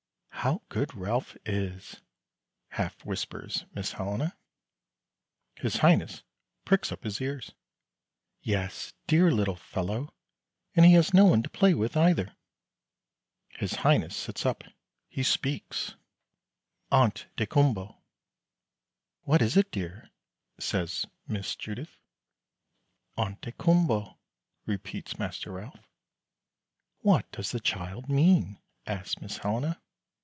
"How good Ralph is!" half whispers Miss Helena. His Highness pricks up his ears. "Yes, dear little fellow; and he has no one to play with, either." His Highness sits up he speaks. [Illustration: "ONT DAYKUMBOA."] "Ont daykumboa." "What is it, dear?" says Miss Judith. "Ont daykumboa," repeats Master Ralph. "What does the child mean?" asks Miss Helena.